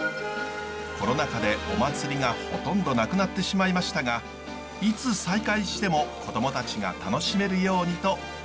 コロナ禍でお祭りがほとんどなくなってしまいましたがいつ再開しても子供たちが楽しめるようにとつくり続けています。